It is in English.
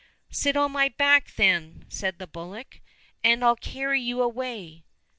—" Sit on my back, then," said the bullock, '' and I'll carry you away."